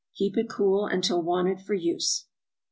Keep it cool until wanted for use.